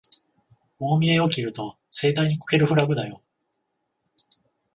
大見得を切ると盛大にこけるフラグだよ